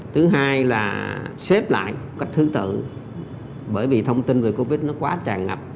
thứ hai là xếp lại cách thứ tự bởi vì thông tin về covid một mươi chín nó quá tràn ngập